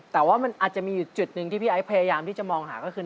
แต่ว่ามันอาจจะมีอยู่จุดหนึ่งที่พี่ไอ้พยายามที่จะมองหาก็คือ